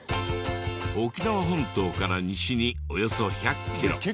沖縄本島から西におよそ１００キロ。